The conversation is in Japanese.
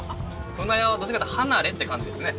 舟屋はどっちかっていうと離れって感じですね。